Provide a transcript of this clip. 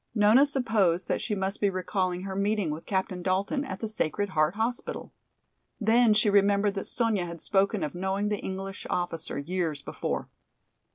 Nona supposed that she must be recalling her meeting with Captain Dalton at the Sacred Heart Hospital. Then she remembered that Sonya had spoken of knowing the English officer years before.